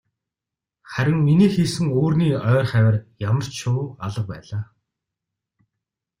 Харин миний хийсэн үүрний ойр хавиар ямарч шувуу алга байлаа.